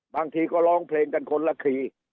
บางทีก็ร้องเพลงกันคนละที